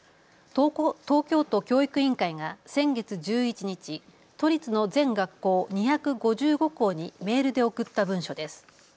東京都教育委員会が先月１１日、都立の全学校、２５５校にメールで送った文書です。